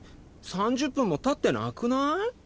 ３０分もたってなくない？